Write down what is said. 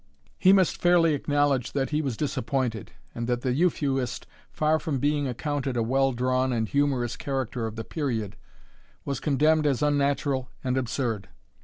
He must fairly acknowledge that he was disappointed, and that the Euphuist, far from being accounted a well drawn and humorous character of the period, was condemned as unnatural and absurd.